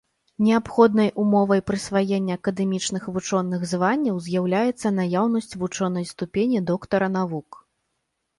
Неабходнай умовай прысваення акадэмічных вучоных званняў з'яўляецца наяўнасць вучонай ступені доктара навук.